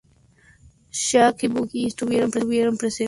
Shanks y Buggy estuvieron presentes en la ejecución de Gol D. Roger.